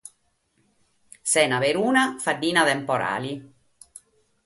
Sena peruna faddina temporale.